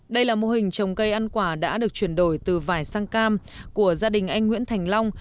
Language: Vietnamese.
đây là mô hình trồng cây ăn quả đã được chuyển đổi từ vải sang cam của gia đình anh nguyễn thành long